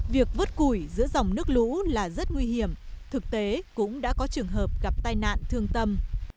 việc vớt củi giữa dòng nước lũ là rất nguy hiểm thực tế cũng đã có trường hợp gặp tai nạn thương tâm